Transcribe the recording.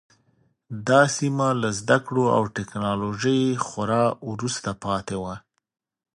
دا سیمه له زده کړو او ټکنالوژۍ خورا وروسته پاتې وه.